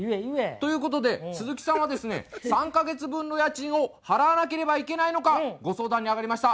ということで鈴木さんはですね３か月分の家賃を払わなければいけないのかご相談にあがりました。